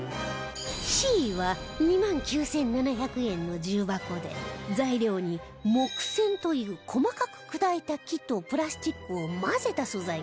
Ｃ は２万９７００円の重箱で材料に木繊という細かく砕いた木とプラスチックを混ぜた素材が使われています